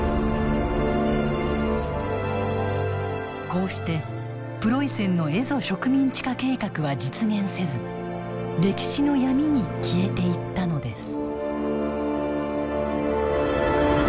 こうしてプロイセンの蝦夷植民地化計画は実現せず歴史の闇に消えていったのです。